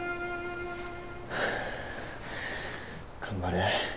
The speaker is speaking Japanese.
頑張れ。